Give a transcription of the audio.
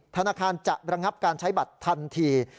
ธนาคารจะระงับการใช้บัตรทันที